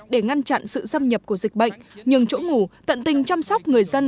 để ngăn chặn sự xâm nhập của dịch bệnh nhường chỗ ngủ tận tình chăm sóc người dân